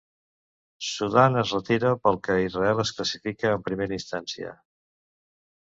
Sudan es retira, pel que Israel es classifica en primera instància.